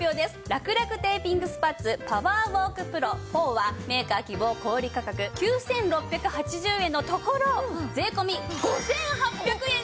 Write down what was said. らくらくテーピングスパッツパワーウォークＰＲＯⅣはメーカー希望小売価格９６８０円のところ税込５８００円です。